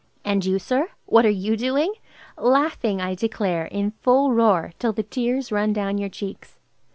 And you, sir; what are you doing? Laughing, I declare, in full roar, till the tears run down your cheeks.